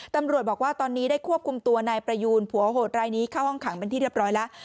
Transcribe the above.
ตำรวจบอกว่าตอนนี้ได้ควบคุมตัวนายประยูนผัวโหดรายนี้เข้าห้องขังเป็นที่เรียบร้อยแล้ว